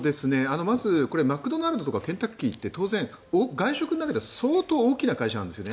まずこれはマクドナルドとかケンタッキーって当然、外食の中では相当、大きな会社なんですよね。